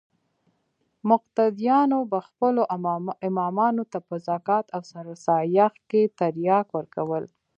مقتديانو به خپلو امامانو ته په زکات او سرسايه کښې ترياک ورکول.